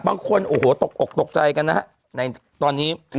บางคนโอ้โหตกอกตกใจกันนะฮะในตอนนี้